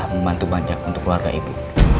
membantu banyak untuk keluarga ibu